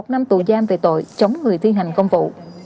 một năm tù giam về tội chống người thi hành công vụ